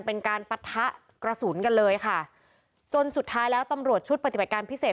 เป็นการปะทะกระสุนกันเลยค่ะจนสุดท้ายแล้วตำรวจชุดปฏิบัติการพิเศษ